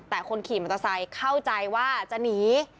แต่คนขี่มอเตอร์ไซค์เข้าใจว่าจะหนี